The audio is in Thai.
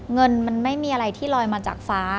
เงินมันไม่มีอะไรที่ลอยมาจากฟ้า